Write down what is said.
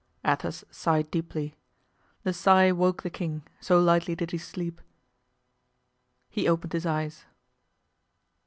Athos sighed deeply; the sigh woke the king, so lightly did he sleep. He opened his eyes.